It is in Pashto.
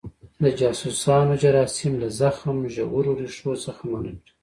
د جاسوسانو جراثیم له زخم ژورو ریښو څخه منع کړي.